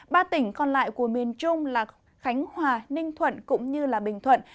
ba tỉnh còn lại của miền trung là khánh hòa ninh thuận cũng như bình thuận